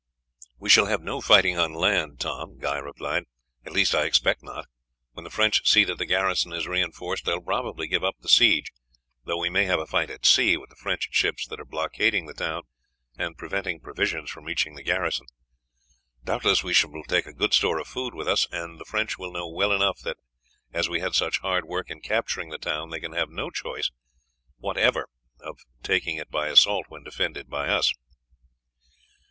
"We shall have no fighting on land, Tom," Guy replied, "at least I expect not. When the French see that the garrison is reinforced they will probably give up the siege, though we may have a fight at sea with the French ships that are blockading the town and preventing provisions from reaching the garrison. Doubtless we shall take a good store of food with us, and the French will know well enough that as we had such hard work in capturing the town, they can have no chance whatever of taking it by assault when defended by us."